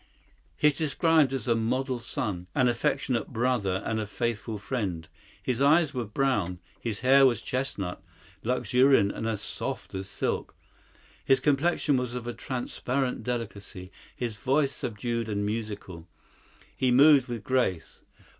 He is described as a model son, an affectionate brother and a faithful friend. His eyes were brown; his hair was chestnut, luxuriant and as soft as silk. His complexion was of transparent delicacy; his voice subdued and musical. He moved with grace.